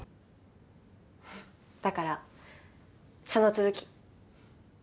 だからその続き。